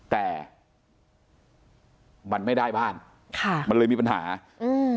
แต่มันไม่ได้บ้านค่ะมันเลยมีปัญหาอืม